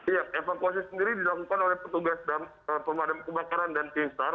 iya evakuasi sendiri dilakukan oleh petugas pemadam kebakaran dan tim sar